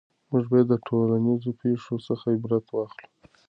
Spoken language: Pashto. موږ باید له ټولنیزو پېښو څخه عبرت واخلو.